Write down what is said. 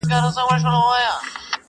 زوی او لور به یې نهر ورته پراته وه؛